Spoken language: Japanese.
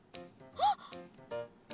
あっ！